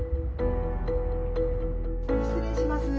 失礼します。